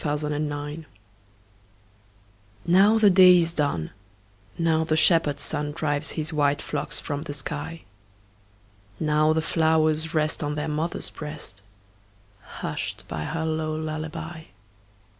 Louisa May Alcott Lullaby NOW the day is done, Now the shepherd sun Drives his white flocks from the sky; Now the flowers rest On their mother's breast, Hushed by her low lullaby.